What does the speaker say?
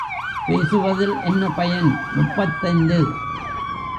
பேசுவதில் என்ன பயன் முப்பத்தைந்து.